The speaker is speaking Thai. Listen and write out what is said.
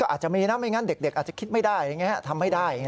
อาจจะมีนะไม่งั้นเด็กอาจจะคิดไม่ได้ทำไม่ได้